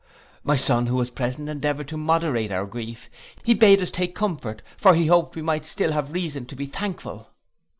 My son, who was present, endeavoured to moderate our grief; he bade us take comfort, for he hoped that we might still have reason to be thankful.